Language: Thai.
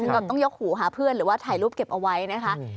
กับต้องยกหูหาเพื่อนหรือว่าถ่ายรูปเก็บเอาไว้นะคะ